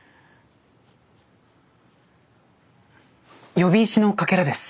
喚姫石のかけらです。